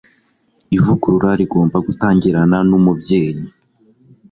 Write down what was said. Ivugurura rigomba gutangirana numubyeyi